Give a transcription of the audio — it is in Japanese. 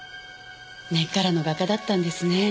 根っからの画家だったんですね。